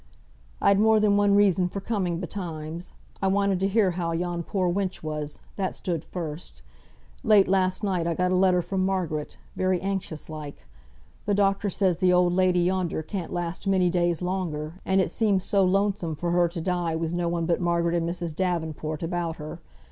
"I'd more than one reason for coming betimes. I wanted to hear how yon poor wench was; that stood first. Late last night I got a letter from Margaret, very anxious like. The doctor says the old lady yonder can't last many days longer, and it seems so lonesome for her to die with no one but Margaret and Mrs. Davenport about her.